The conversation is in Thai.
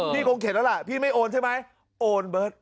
คงเข็นแล้วล่ะพี่ไม่โอนใช่ไหมโอนเบิร์ต